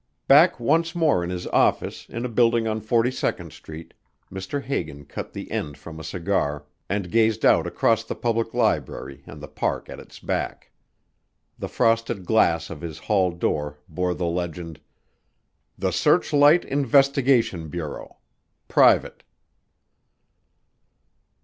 Back once more in his office in a building on Forty second Street, Mr. Hagan cut the end from a cigar and gazed out across the public library and the park at its back. The frosted glass of his hall door bore the legend, "The Searchlight Investigation Bureau. Private."